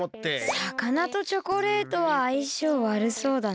魚とチョコレートはあいしょうわるそうだね。